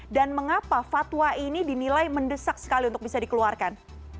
dan mengapa fatwa ini dinilai mendesak sekali untuk bisa dikeluarkan